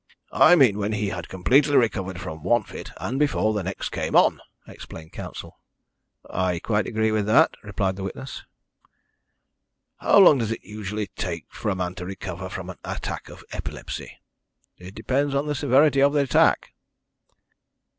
"I mean when he had completely recovered from one fit and before the next came on," explained counsel. "I quite agree with that," replied the witness. "How long does it usually take for a man to recover from an attack of epilepsy?" "It depends on the severity of the attack."